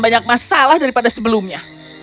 banyak masalah daripada sebelumnya